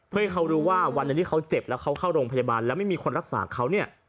เพื่อให้เขารู้ว่าวันหนึ่งที่เขาเจ็บแล้วเขาเข้าโรงพยาบาลแล้วไม่มีคนรักษาเขาเนี่ย